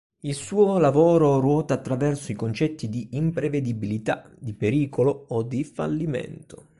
Il suo lavoro ruota attraverso i concetti di imprevedibilità, di pericolo o di fallimento.